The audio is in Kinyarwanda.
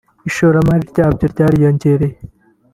ishoramari ryabwo ryariyongereye